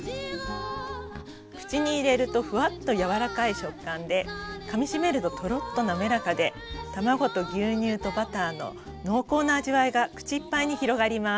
口に入れるとふわっと柔らかい食感でかみしめるととろっとなめらかで卵と牛乳とバターの濃厚な味わいが口いっぱいに広がります。